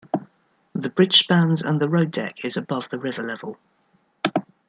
The bridge spans and the road deck is above the river level.